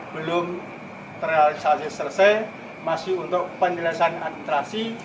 belum terrealisasi selesai masih untuk penyelesaian administrasi